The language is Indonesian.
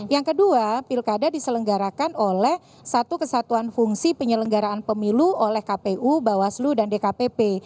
yang kedua pilkada diselenggarakan oleh satu kesatuan fungsi penyelenggaraan pemilu oleh kpu bawaslu dan dkpp